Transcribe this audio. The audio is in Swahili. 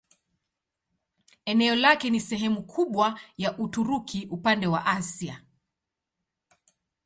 Eneo lake ni sehemu kubwa ya Uturuki upande wa Asia.